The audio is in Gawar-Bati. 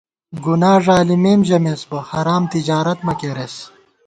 گُنا ݫالِمېم ژَمېس بہ حرام تجارت مہ کېرېس